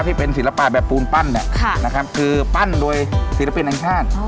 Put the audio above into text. ที่เป็นศิลปะแบบปูนปั้นเนี่ยนะครับคือปั้นโดยศิลปินแห่งชาติ